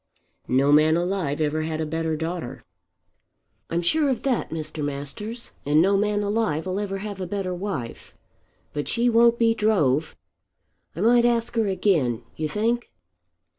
"No man alive ever had a better daughter." "I'm sure of that, Mr. Masters; and no man alive 'll ever have a better wife. But she won't be drove. I might ask her again, you think?"